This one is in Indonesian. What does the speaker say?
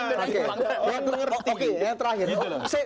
oke yang terakhir